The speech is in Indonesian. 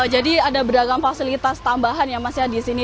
jadi ada beragam fasilitas tambahan ya mas ya di sini